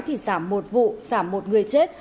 thì giảm một vụ giảm một người chết